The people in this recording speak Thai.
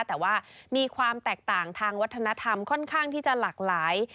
แต่ว่ามีความแตกต่างทางวัฒนธรรมค่อนข้างที่จะหลากหลาย